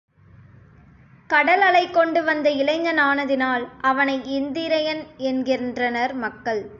கடல் அலைகொண்டு வந்த இளைஞன் ஆனதினால் அவனை இளந்திரையன் என்கின்றனர் மக்கள்.